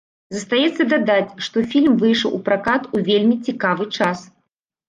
Застаецца дадаць, што фільм выйшаў у пракат у вельмі цікавы час.